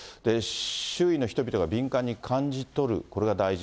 周囲の人々が敏感に感じ取る、これが大事。